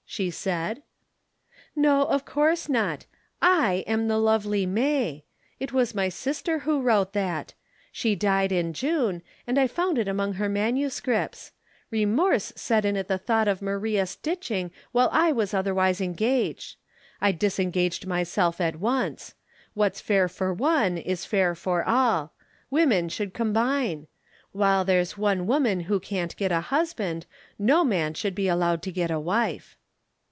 she said. "No, of course not. I am the lovely May. It was my sister who wrote that. She died in June and I found it among her manuscripts. Remorse set in at the thought of Maria stitching while I was otherwise engaged. I disengaged myself at once. What's fair for one is fair for all. Women should combine. While there's one woman who can't get a husband, no man should be allowed to get a wife."